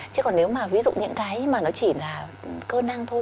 chứ còn nếu mà ví dụ những cái mà nó chỉ là cơ năng thôi